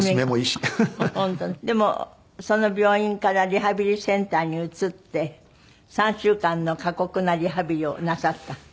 でもその病院からリハビリセンターに移って３週間の過酷なリハビリをなさった。